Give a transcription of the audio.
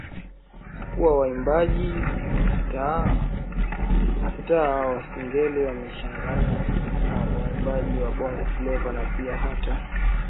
kuwa waimbaji mastaa wa Singeli wamejichanganya na waimbaji wa Bongo Flava na pia hata